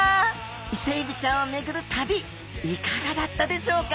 イセエビちゃんを巡る旅いかがだったでしょうか？